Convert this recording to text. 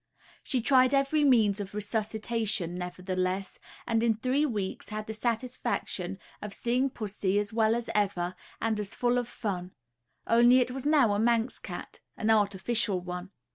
She tried every means of resuscitation, nevertheless, and in three weeks had the satisfaction of seeing pussy as well as ever, and as full of fun; only it was now a Manx cat, an artificial one.